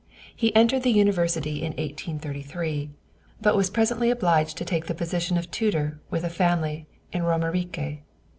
He entered the University in 1833, but was presently obliged to take the position of tutor with a family in Romerike.